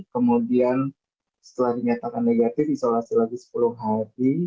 kemudian setelah dinyatakan negatif isolasi lagi sepuluh hari